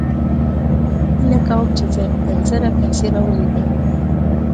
هېله کوم چې زر تر زره پیسې راولېږې